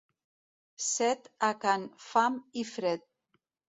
Set a can Fam i Fred.